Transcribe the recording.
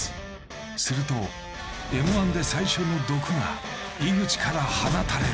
すると、Ｍ−１で最初の毒が、井口から放たれる。